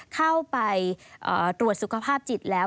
เข้าไปตรวจสุขภาพจิตแล้ว